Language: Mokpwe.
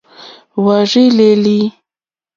Hwá rzí lélí.